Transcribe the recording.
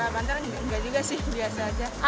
bantar juga sih biasa aja